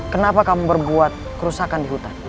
kenapa kamu menyebabkan perusakan di hutan